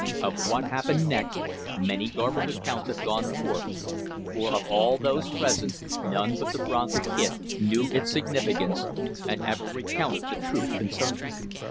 Of what happened next many garbled accounts have gone forth, for of all those present, none but the Bronco Kid knew its significance and ever recounted the truth concerning it.